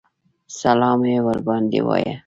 سلام یې ورباندې وایه.